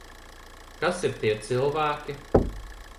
Kas ir tie cilvēki?